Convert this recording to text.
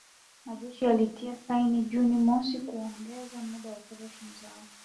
Majeshi yalitia saini Juni mosi kuongeza muda wa operesheni zao